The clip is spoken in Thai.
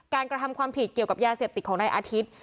กระทำความผิดเกี่ยวกับยาเสพติดของนายอาทิตย์